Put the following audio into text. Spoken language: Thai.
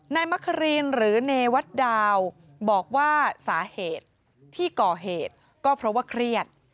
มะครีนหรือเนวัตดาวบอกว่าสาเหตุที่ก่อเหตุก็เพราะว่าเครียด